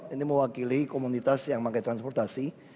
ini mewakili komunitas yang pakai transportasi